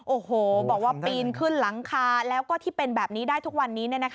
โอ้โหบอกว่าปีนขึ้นหลังคาแล้วก็ที่เป็นแบบนี้ได้ทุกวันนี้